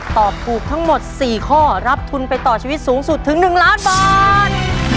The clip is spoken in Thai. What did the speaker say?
ตอบถูกทั้งหมด๔ข้อรับทุนไปต่อชีวิตสูงสุดถึง๑ล้านบาท